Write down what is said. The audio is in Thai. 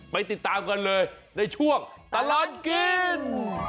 ไปติดตามกันเลยในช่วงตลอดกิน